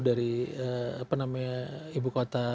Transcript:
dari ibu kota